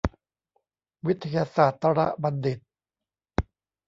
วิทยาศาสตรบัณฑิต